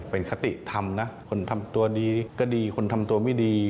เป็นคติธรรมนะคนทำตัวดีก็ดีคนทำตัวไม่ดี